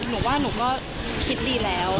หนูว่าหนูก็คิดดีแล้ว